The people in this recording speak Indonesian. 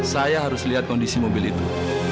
saya harus lihat kondisi mobil itu